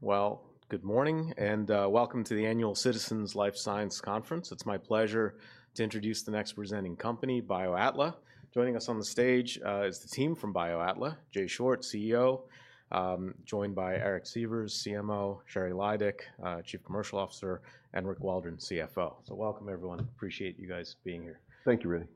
All right. Good morning and welcome to the Annual Citizens Life Science Conference. It's my pleasure to introduce the next presenting company, BioAtla. Joining us on the stage is the team from BioAtla, Jay Short, CEO, joined by Eric Sievers, CMO, Sheri Lydick, Chief Commercial Officer, and Rick Waldron, CFO. Appreciate you guys being here. Thank you, really.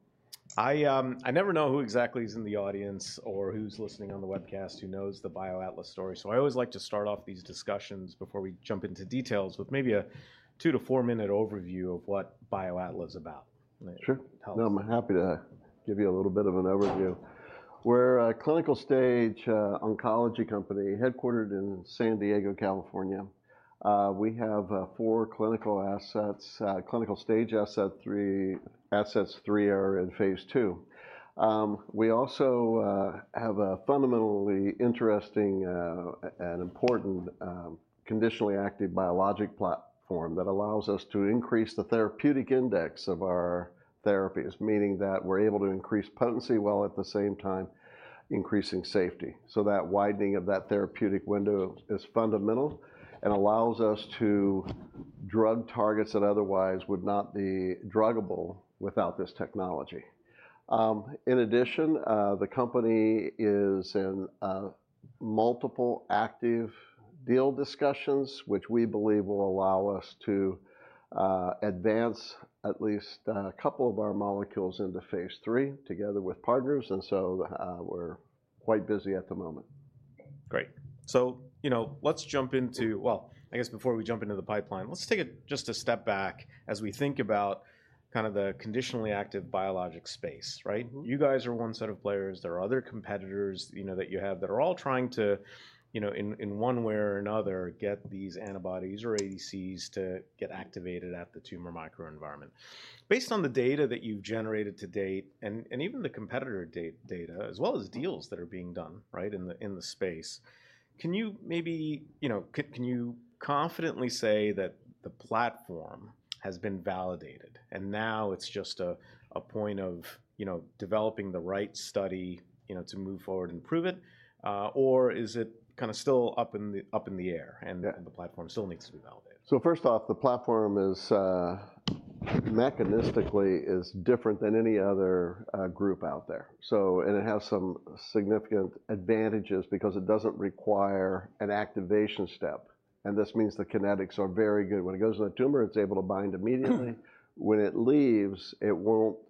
I never know who exactly is in the audience or who's listening on the webcast who knows the BioAtla story. I always like to start off these discussions before we jump into details with maybe a two to four-minute overview of what BioAtla is about. Sure. I'm happy to give you a little bit of an overview. We're a clinical stage oncology company headquartered in San Diego, California. We have four clinical assets. Clinical stage assets, three are in phase II. We also have a fundamentally interesting and important conditionally active biologic platform that allows us to increase the therapeutic index of our therapies, meaning that we're able to increase potency while at the same time increasing safety. That widening of that therapeutic window is fundamental and allows us to drug targets that otherwise would not be druggable without this technology. In addition, the company is in multiple active deal discussions, which we believe will allow us to advance at least a couple of our molecules into phase III together with partners. We are quite busy at the moment. Great. Let's jump into, I guess before we jump into the pipeline, let's take it just a step back as we think about kind of the conditionally active biologic space, right? You guys are one set of players. There are other competitors that you have that are all trying to, in one way or another, get these antibodies or ADCs to get activated at the tumor microenvironment. Based on the data that you've generated to date and even the competitor data, as well as deals that are being done in the space, can you maybe confidently say that the platform has been validated and now it's just a point of developing the right study to move forward and prove it? Or is it kind of still up in the air and the platform still needs to be validated? First off, the platform mechanistically is different than any other group out there. It has some significant advantages because it does not require an activation step. This means the kinetics are very good. When it goes to the tumor, it is able to bind immediately. When it leaves, it will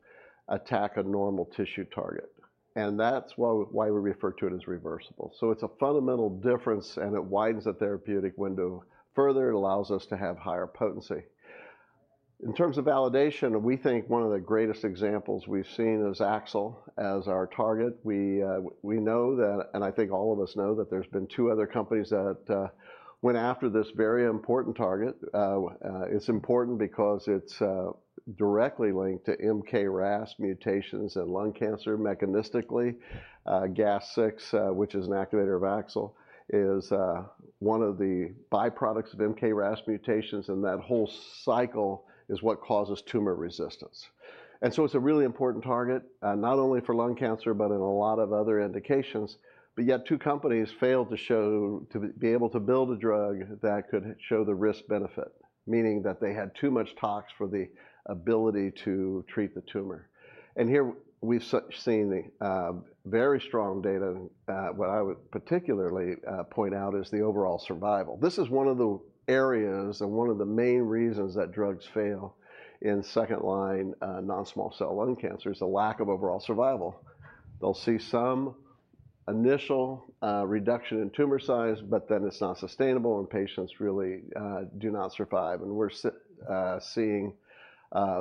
not attack a normal tissue target. That is why we refer to it as reversible. It is a fundamental difference and it widens the therapeutic window further. It allows us to have higher potency. In terms of validation, we think one of the greatest examples we have seen is AXL as our target. We know that, and I think all of us know that there have been two other companies that went after this very important target. It is important because it is directly linked to KRAS mutations in lung cancer mechanistically. GAS6, which is an activator of AXL, is one of the byproducts of KRAS mutations. That whole cycle is what causes tumor resistance. It is a really important target, not only for lung cancer, but in a lot of other indications. Yet two companies failed to be able to build a drug that could show the risk-benefit, meaning that they had too much tox for the ability to treat the tumor. Here we have seen very strong data. What I would particularly point out is the overall survival. This is one of the areas and one of the main reasons that drugs fail in second-line non-small cell lung cancer: the lack of overall survival. They will see some initial reduction in tumor size, but then it is not sustainable and patients really do not survive. We're seeing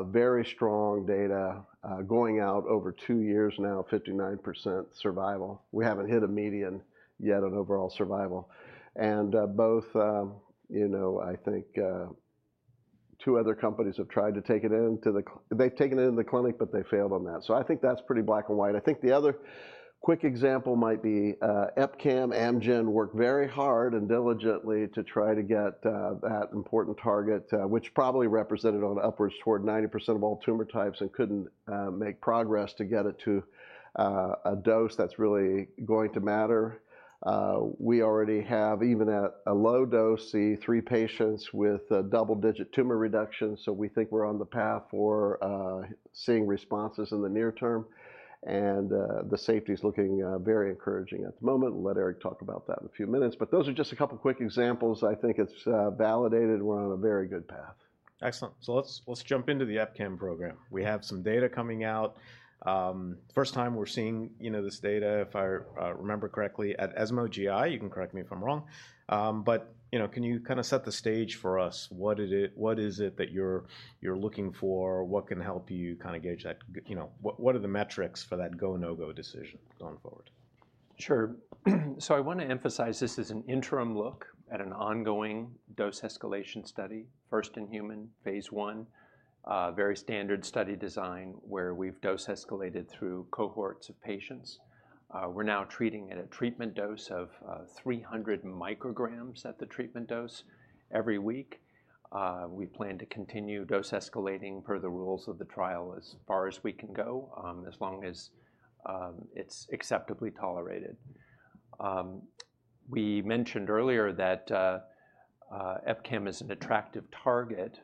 very strong data going out over two years now, 59% survival. We haven't hit a median yet on overall survival. I think two other companies have tried to take it into the clinic. They've taken it into the clinic, but they failed on that. I think that's pretty black and white. I think the other quick example might be EpCAM. Amgen worked very hard and diligently to try to get that important target, which probably represented on upwards toward 90% of all tumor types and couldn't make progress to get it to a dose that's really going to matter. We already have, even at a low dose, seen three patients with double-digit tumor reduction. We think we're on the path for seeing responses in the near term. The safety is looking very encouraging at the moment. Let Eric talk about that in a few minutes. Those are just a couple of quick examples. I think it's validated. We're on a very good path. Excellent. Let's jump into the EpCAM program. We have some data coming out. First time we're seeing this data, if I remember correctly, at ESMO GI. You can correct me if I'm wrong. Can you kind of set the stage for us? What is it that you're looking for? What can help you kind of gauge that? What are the metrics for that go, no-go decision going forward? Sure. I want to emphasize this is an interim look at an ongoing dose escalation study, first in human, phase I, very standard study design where we've dose escalated through cohorts of patients. We're now treating at a treatment dose of 300 micrograms at the treatment dose every week. We plan to continue dose escalating per the rules of the trial as far as we can go, as long as it's acceptably tolerated. We mentioned earlier that EpCAM is an attractive target.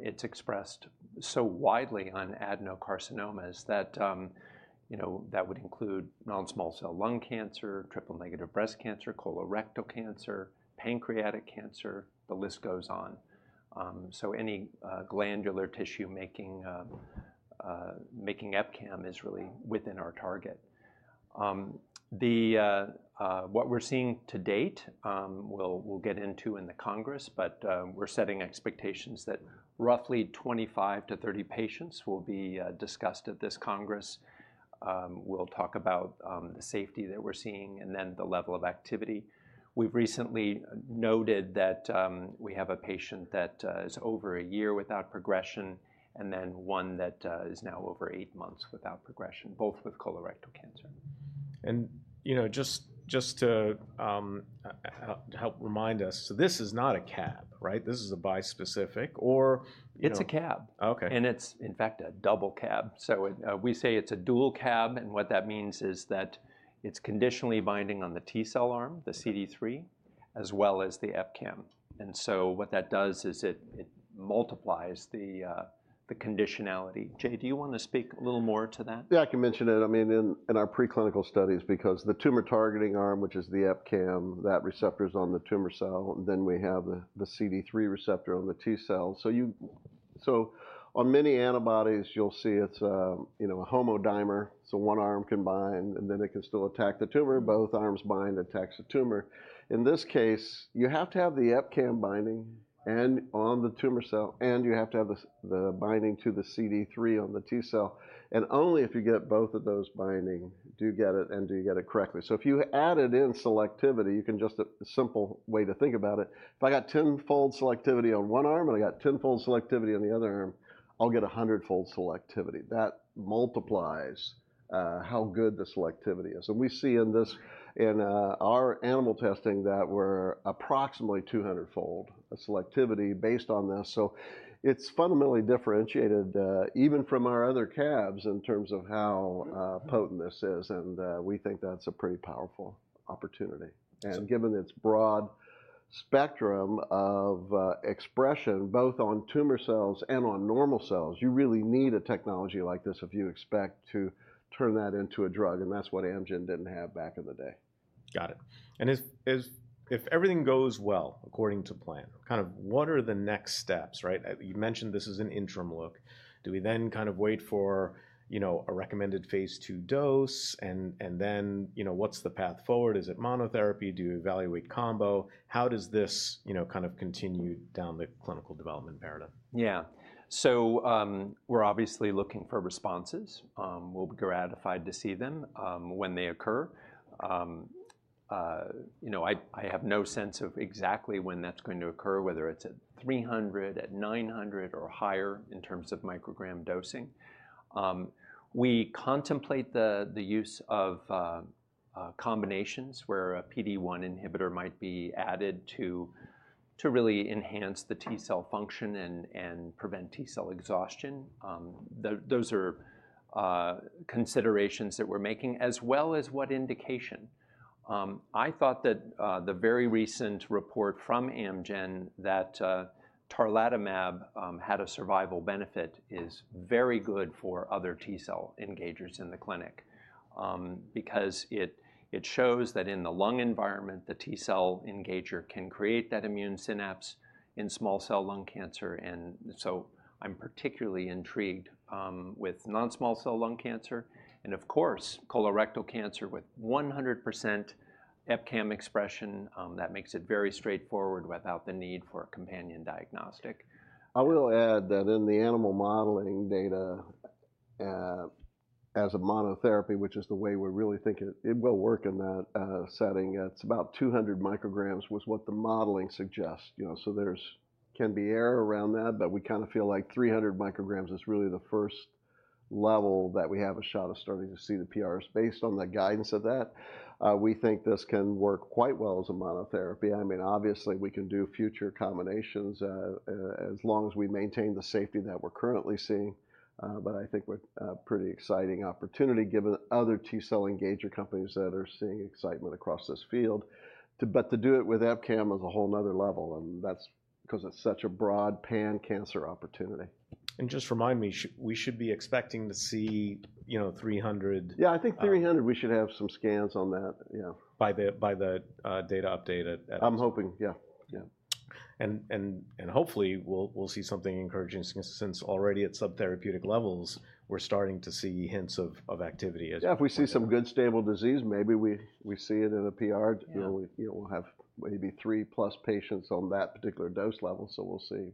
It's expressed so widely on adenocarcinomas that that would include non-small cell lung cancer, triple-negative breast cancer, colorectal cancer, pancreatic cancer. The list goes on. Any glandular tissue making EpCAM is really within our target. What we're seeing to date, we'll get into in the Congress, but we're setting expectations that roughly 25-30 patients will be discussed at this Congress. We'll talk about the safety that we're seeing and then the level of activity. We've recently noted that we have a patient that is over a year without progression and then one that is now over eight months without progression, both with colorectal cancer. Just to help remind us, this is not a CAB, right? This is a bispecific or. It's a CAB. And it's in fact a double CAB. So we say it's a dual CAB. And what that means is that it's conditionally binding on the T cell arm, the CD3, as well as the EpCAM. And so what that does is it multiplies the conditionality. Jay, do you want to speak a little more to that? Yeah, I can mention it. I mean, in our preclinical studies, because the tumor targeting arm, which is the EpCAM, that receptor is on the tumor cell. Then we have the CD3 receptor on the T cell. On many antibodies, you'll see it's a homodimer. One arm can bind and then it can still attack the tumor. Both arms bind, attacks the tumor. In this case, you have to have the EpCAM binding on the tumor cell and you have to have the binding to the CD3 on the T cell. Only if you get both of those binding do you get it and do you get it correctly. If you added in selectivity, just a simple way to think about it, if I got 10-fold selectivity on one arm and I got 10-fold selectivity on the other arm, I'll get 100-fold selectivity. That multiplies how good the selectivity is. We see in our animal testing that we're approximately 200-fold selectivity based on this. It is fundamentally differentiated even from our other CABs in terms of how potent this is. We think that's a pretty powerful opportunity. Given its broad spectrum of expression, both on tumor cells and on normal cells, you really need a technology like this if you expect to turn that into a drug. That is what Amgen did not have back in the day. Got it. If everything goes well according to plan, kind of what are the next steps, right? You mentioned this is an interim look. Do we then kind of wait for a recommended phase II dose? What is the path forward? Is it monotherapy? Do you evaluate combo? How does this kind of continue down the clinical development paradigm? Yeah. So we're obviously looking for responses. We'll be gratified to see them when they occur. I have no sense of exactly when that's going to occur, whether it's at 300, at 900, or higher in terms of microgram dosing. We contemplate the use of combinations where a PD-1 inhibitor might be added to really enhance the T cell function and prevent T cell exhaustion. Those are considerations that we're making, as well as what indication. I thought that the very recent report from Amgen that tarlatamab had a survival benefit is very good for other T cell engagers in the clinic because it shows that in the lung environment, the T cell engager can create that immune synapse in small cell lung cancer. I'm particularly intrigued with non-small cell lung cancer. Of course, colorectal cancer with 100% EpCAM expression, that makes it very straightforward without the need for a companion diagnostic. I will add that in the animal modeling data as a monotherapy, which is the way we're really thinking it will work in that setting, it's about 200 micrograms was what the modeling suggests. There can be error around that, but we kind of feel like 300 micrograms is really the first level that we have a shot of starting to see the PRs. Based on the guidance of that, we think this can work quite well as a monotherapy. I mean, obviously we can do future combinations as long as we maintain the safety that we're currently seeing. I think we're a pretty exciting opportunity given other T cell engager companies that are seeing excitement across this field. To do it with EpCAM is a whole nother level. That's because it's such a broad pan cancer opportunity. Just remind me, we should be expecting to see 300. Yeah, I think 300, we should have some scans on that. By the data update. I'm hoping, yeah. Hopefully we'll see something encouraging since already at subtherapeutic levels, we're starting to see hints of activity. Yeah, if we see some good stable disease, maybe we see it in a PR. We'll have maybe three plus patients on that particular dose level. So we'll see.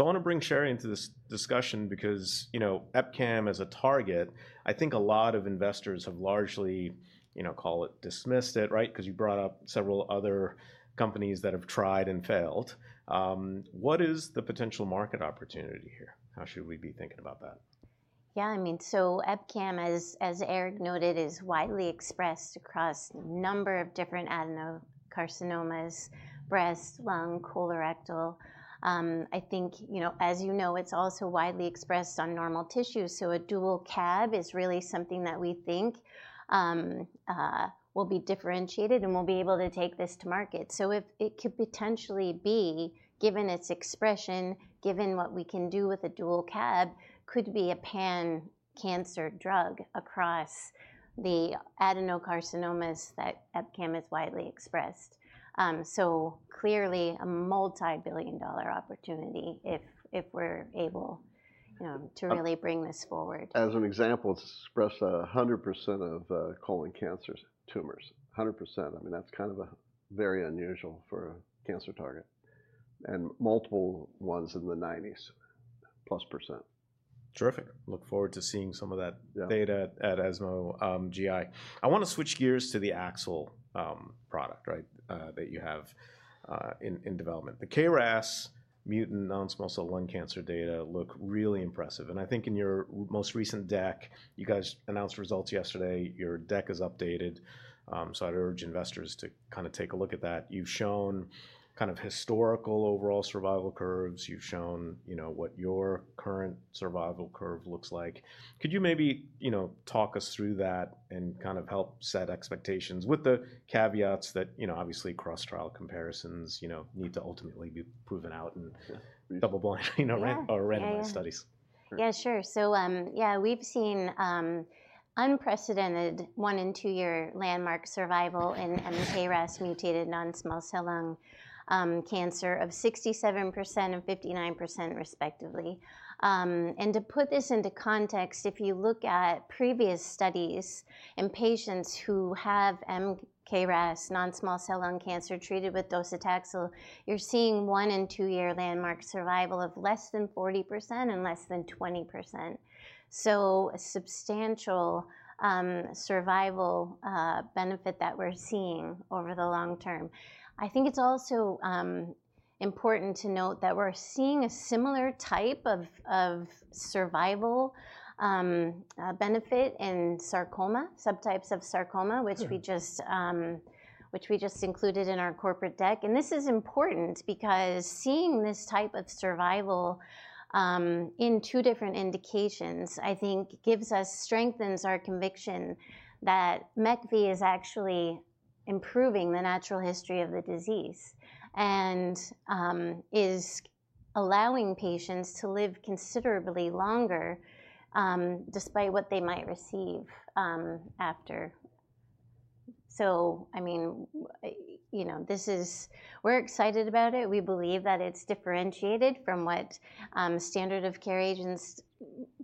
I want to bring Sheri into this discussion because EpCAM as a target, I think a lot of investors have largely called it, dismissed it, right? Because you brought up several other companies that have tried and failed. What is the potential market opportunity here? How should we be thinking about that? Yeah, I mean, so EpCAM, as Eric noted, is widely expressed across a number of different adenocarcinomas, breast, lung, colorectal. I think, as you know, it's also widely expressed on normal tissue. A dual CAB is really something that we think will be differentiated and we'll be able to take this to market. It could potentially be, given its expression, given what we can do with a dual CAB, could be a pan cancer drug across the adenocarcinomas that EpCAM is widely expressed. Clearly a multi-billion dollar opportunity if we're able to really bring this forward. As an example, it's expressed 100% of colon cancer tumors. 100%. I mean, that's kind of very unusual for a cancer target. And multiple ones in the 90% plus percent. Terrific. Look forward to seeing some of that data at ESMO GI. I want to switch gears to the AXL product, right, that you have in development. The KRAS mutant non-small cell lung cancer data look really impressive. I think in your most recent deck, you guys announced results yesterday. Your deck is updated. I'd urge investors to kind of take a look at that. You've shown kind of historical overall survival curves. You've shown what your current survival curve looks like. Could you maybe talk us through that and kind of help set expectations with the caveats that obviously cross-trial comparisons need to ultimately be proven out in double-blind or randomized studies? Yeah, sure. So yeah, we've seen unprecedented one- and two-year landmark survival in KRAS-mutated non-small cell lung cancer of 67% and 59%, respectively. To put this into context, if you look at previous studies in patients who have KRAS non-small cell lung cancer treated with docetaxel, you're seeing one- and two-year landmark survival of less than 40% and less than 20%. A substantial survival benefit that we're seeing over the long term. I think it's also important to note that we're seeing a similar type of survival benefit in sarcoma, subtypes of sarcoma, which we just included in our corporate deck. This is important because seeing this type of survival in two different indications, I think, strengthens our conviction that MECV is actually improving the natural history of the disease and is allowing patients to live considerably longer despite what they might receive after. I mean, we're excited about it. We believe that it's differentiated from what standard of care agents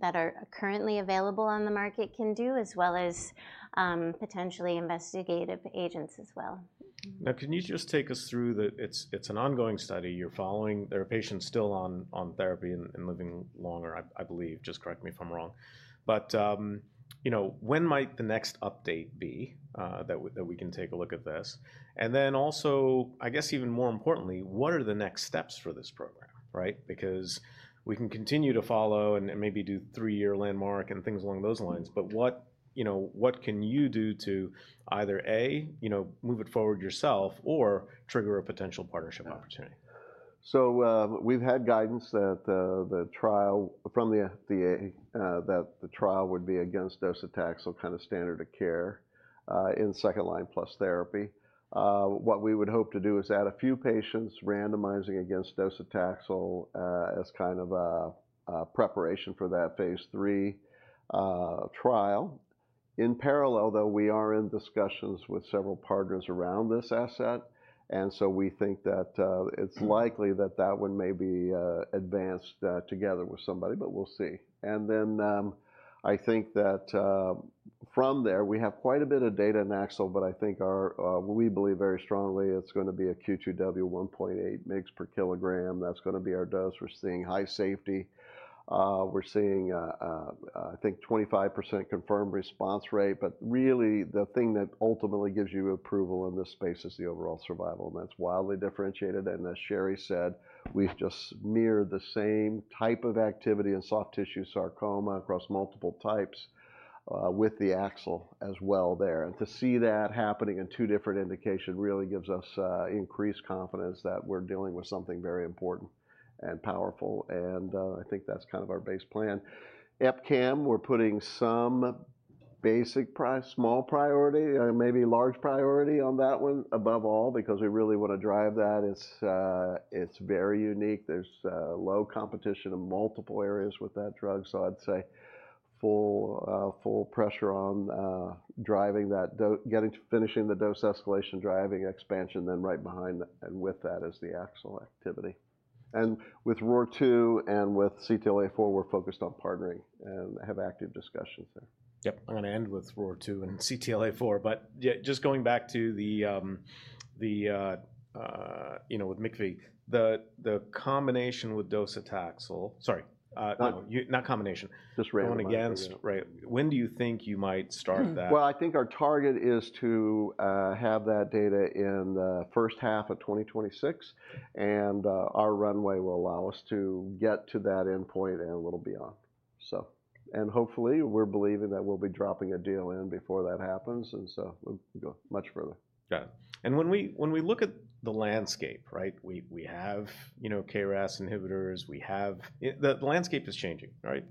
that are currently available on the market can do, as well as potentially investigative agents as well. Now, can you just take us through that it's an ongoing study you're following? There are patients still on therapy and living longer, I believe. Just correct me if I'm wrong. When might the next update be that we can take a look at this? Also, I guess even more importantly, what are the next steps for this program, right? We can continue to follow and maybe do three-year landmark and things along those lines, but what can you do to either A, move it forward yourself, or trigger a potential partnership opportunity? We have had guidance from the FDA that the trial would be against docetaxel, kind of standard of care in second line plus therapy. What we would hope to do is add a few patients randomizing against docetaxel as kind of a preparation for that phase III trial. In parallel, though, we are in discussions with several partners around this asset. We think that it is likely that one may be advanced together with somebody, but we will see. I think that from there, we have quite a bit of data in AXL, but we believe very strongly it is going to be a Q2W 1.8 mg per kilogram. That is going to be our dose. We are seeing high safety. We are seeing, I think, 25% confirmed response rate. The thing that ultimately gives you approval in this space is the overall survival. That's wildly differentiated. As Sheri said, we've just mirrored the same type of activity in soft tissue sarcoma across multiple types with the AXL as well there. To see that happening in two different indications really gives us increased confidence that we're dealing with something very important and powerful. I think that's kind of our base plan. EpCAM, we're putting some basic small priority, maybe large priority on that one above all because we really want to drive that. It's very unique. There's low competition in multiple areas with that drug. I'd say full pressure on driving that, getting to finishing the dose escalation, driving expansion, then right behind and with that is the AXL activity. With ROR2 and with CTLA4, we're focused on partnering and have active discussions there. Yep. I'm going to end with ROR2 and CTLA4. But just going back to the with Mec-V, the combination with docetaxel, sorry, not combination, when do you think you might start that? I think our target is to have that data in the first half of 2026. Our runway will allow us to get to that end point and a little beyond. Hopefully we're believing that we'll be dropping a DLN before that happens. We will go much further. Got it. When we look at the landscape, right, we have KRAS inhibitors. The landscape is changing, right?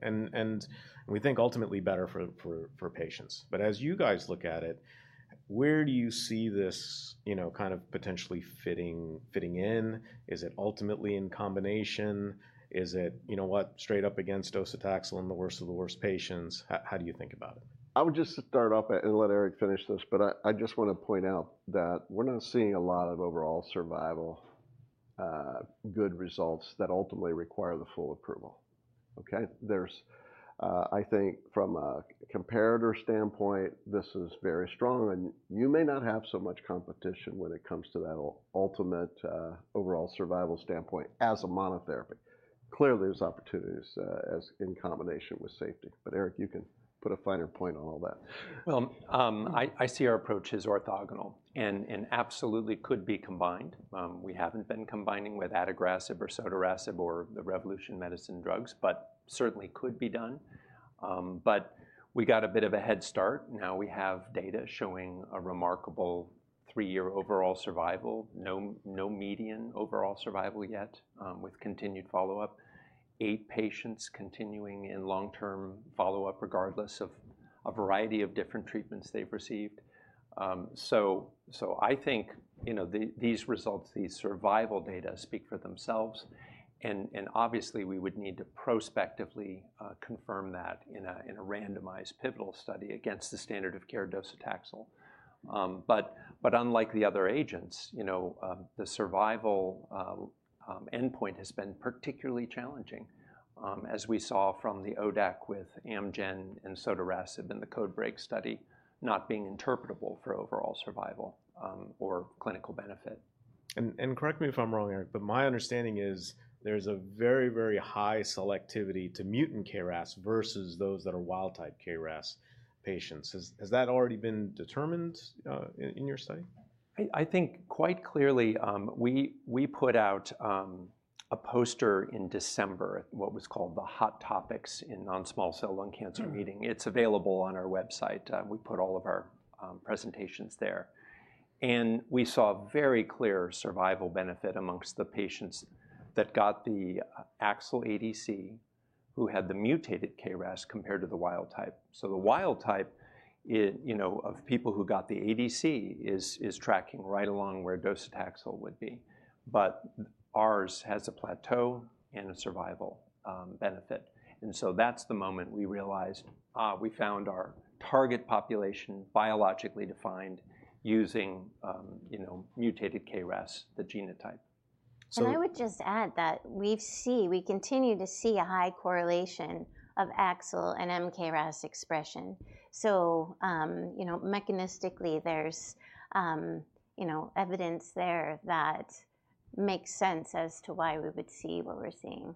We think ultimately better for patients. As you guys look at it, where do you see this kind of potentially fitting in? Is it ultimately in combination? Is it straight up against docetaxel in the worst of the worst patients? How do you think about it? I would just start off and let Eric finish this, but I just want to point out that we're not seeing a lot of overall survival good results that ultimately require the full approval. Okay? I think from a comparator standpoint, this is very strong. You may not have so much competition when it comes to that ultimate overall survival standpoint as a monotherapy. Clearly, there's opportunities in combination with safety. Eric, you can put a finer point on all that. I see our approach as orthogonal and absolutely could be combined. We have not been combining with adagrasib or sotorasib or the Revolution Medicine drugs, but certainly could be done. We got a bit of a head start. Now we have data showing a remarkable three-year overall survival, no median overall survival yet with continued follow-up, eight patients continuing in long-term follow-up regardless of a variety of different treatments they have received. I think these results, these survival data speak for themselves. Obviously, we would need to prospectively confirm that in a randomized pivotal study against the standard of care docetaxel. Unlike the other agents, the survival endpoint has been particularly challenging as we saw from the ODAC with Amgen and sotorasib in the Code Break study not being interpretable for overall survival or clinical benefit. Correct me if I'm wrong, Eric, but my understanding is there's a very, very high selectivity to mutant KRAS versus those that are wild-type KRAS patients. Has that already been determined in your study? I think quite clearly we put out a poster in December at what was called the Hot Topics in Non-Small Cell Lung Cancer meeting. It's available on our website. We put all of our presentations there. We saw very clear survival benefit amongst the patients that got the AXL-ADC who had the mutated KRAS compared to the wild type. The wild type people who got the ADC is tracking right along where docetaxel would be. Ours has a plateau and a survival benefit. That is the moment we realized we found our target population biologically defined using mutated KRAS, the genotype. I would just add that we continue to see a high correlation of AXL and KRAS expression. Mechanistically, there is evidence there that makes sense as to why we would see what we are seeing.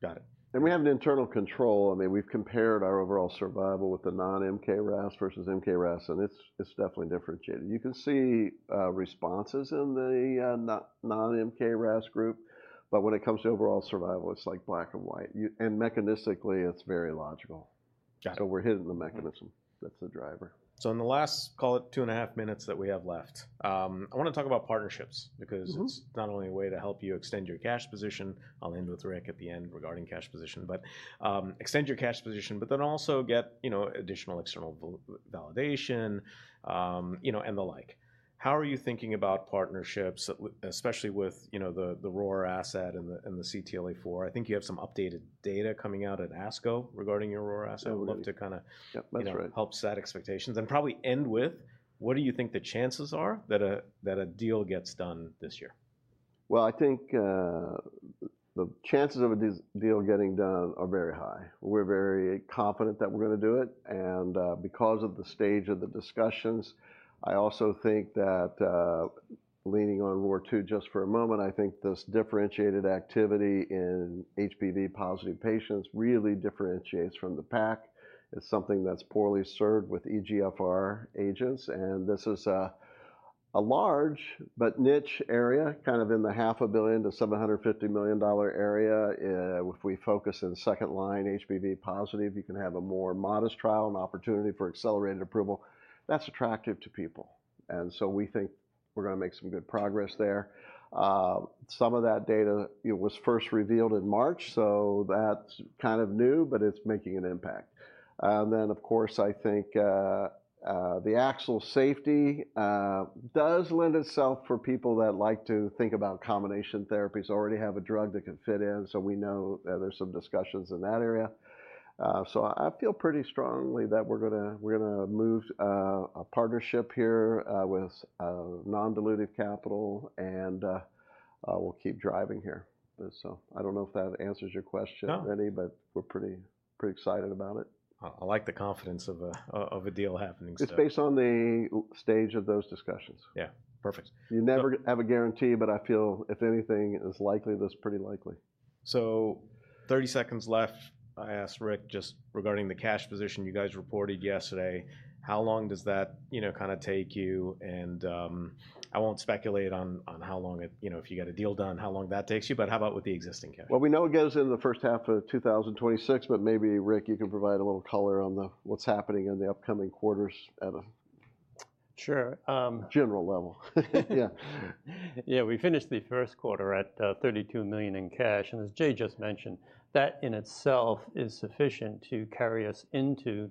Got it. We have an internal control. I mean, we've compared our overall survival with the non-mKRAS versus mKRAS, and it's definitely differentiated. You can see responses in the non-mKRAS group, but when it comes to overall survival, it's like black and white. And mechanistically, it's very logical. We're hitting the mechanism that's the driver. In the last, call it two and a half minutes that we have left, I want to talk about partnerships because it's not only a way to help you extend your cash position. I'll end with Rick at the end regarding cash position, but extend your cash position, but then also get additional external validation and the like. How are you thinking about partnerships, especially with the ROR2 asset and the CTLA4? I think you have some updated data coming out at ASCO regarding your ROR2 asset. I'd love to kind of help set expectations and probably end with what do you think the chances are that a deal gets done this year? I think the chances of a deal getting done are very high. We're very confident that we're going to do it. Because of the stage of the discussions, I also think that leaning on ROR2 just for a moment, I think this differentiated activity in HBV positive patients really differentiates from the pack. It's something that's poorly served with EGFR agents. This is a large but niche area, kind of in the $500 million-$750 million area. If we focus in second line HBV positive, you can have a more modest trial, an opportunity for accelerated approval. That's attractive to people. We think we're going to make some good progress there. Some of that data was first revealed in March, so that's kind of new, but it's making an impact. Of course, I think the AXL safety does lend itself for people that like to think about combination therapies, already have a drug that can fit in. We know that there are some discussions in that area. I feel pretty strongly that we are going to move a partnership here with non-dilutive capital, and we will keep driving here. I do not know if that answers your question already, but we are pretty excited about it. I like the confidence of a deal happening still. It's based on the stage of those discussions. Yeah. Perfect. You never have a guarantee, but I feel if anything, it's likely that it's pretty likely. Thirty seconds left. I asked Rick just regarding the cash position you guys reported yesterday. How long does that kind of take you? I will not speculate on how long, if you got a deal done, how long that takes you, but how about with the existing cash? We know it goes into the first half of 2026, but maybe Rick, you can provide a little color on what's happening in the upcoming quarters at a general level. Yeah. Yeah, we finished the first quarter at $32 million in cash. And as Jay just mentioned, that in itself is sufficient to carry us into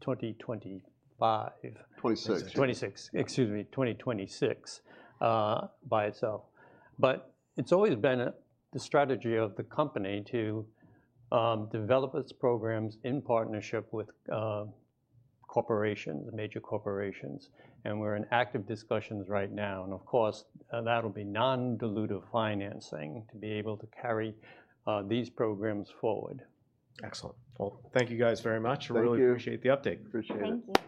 2025. 26. 2026 by itself. But it's always been the strategy of the company to develop its programs in partnership with corporations, major corporations. And we're in active discussions right now. And of course, that'll be non-dilutive financing to be able to carry these programs forward. Excellent. Thank you guys very much. I really appreciate the update. Appreciate it.